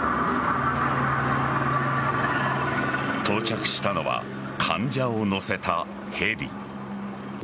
到着したのは患者を乗せたヘリ。